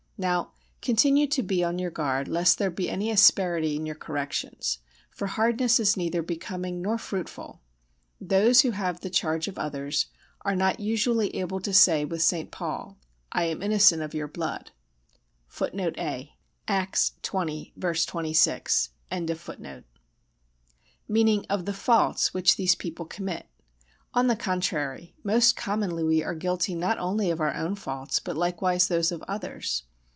Now continue to be on your guard lest there be any asperity in your corrections, for hardness is neither becoming nor fruitful. Those who have the charge of others are not usually able to say with St. Paul: "I am innocent of your blood,"[A] meaning of the faults which these people commit. On the contrary most commonly we are guilty not only of our own faults but likewise of those of others.